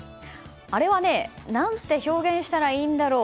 あれはねぇ、何て表現したらいいんだろう。